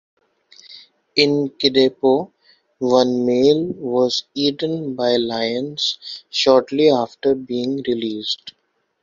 In Kidepo one male was eaten by lions shortly after being released.